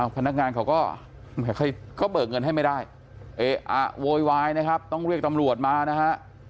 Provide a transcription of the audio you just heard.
พนักงานเขาก็เบิกเงินให้ไม่ได้โวยวายนะครับต้องเรียกตำรวจมานะฮะ